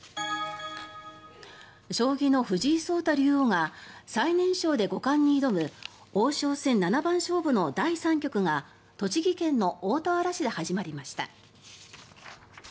将棋の藤井聡太竜王が最年少で五冠に挑む王将戦七番勝負の第３局が栃木県の大田原市で始まりました。